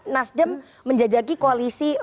mas dem menjajaki koalisi